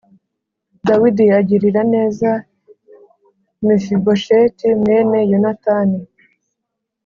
Dawidi agirira neza Mefibosheti mwene Yonatani